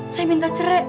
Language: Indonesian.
saya minta cerai